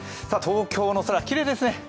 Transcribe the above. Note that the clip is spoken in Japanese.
東京の空、きれいですね。